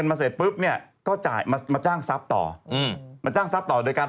ดูไม่ครับรับมาซ่อนมา